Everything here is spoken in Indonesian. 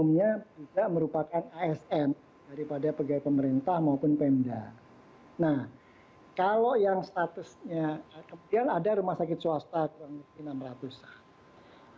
nah kalau yang statusnya kemudian ada rumah sakit swasta kurang lebih enam ratus an